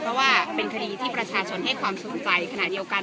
เพราะว่าเป็นคดีที่ประชาชนให้ความสนใจขณะเดียวกัน